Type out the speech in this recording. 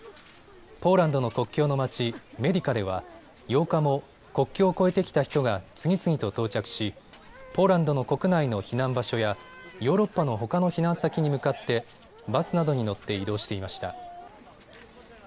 ポーランドの国境の町メディカでは８日も国境を越えてきた人が次々と到着しポーランドの国内の避難場所やヨーロッパのほかの避難先に向かってバスなどに乗って移動していました。